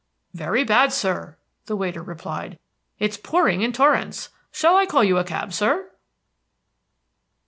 "Very bad, sir," the waiter replied. "It's pouring in torrents. Shall I call you a cab, sir?"